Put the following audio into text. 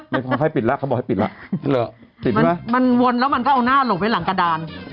ไม่พอให้ปิดละเขาบอกให้ปิดละมันวนแล้วมันก็เอาหน้าลงไปหลังกระดาน